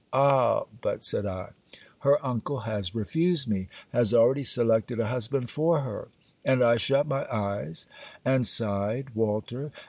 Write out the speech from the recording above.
'Ah but,' said I, 'her uncle has refused me, has already selected a husband for her!' And I shut my eyes; and sighed, Walter.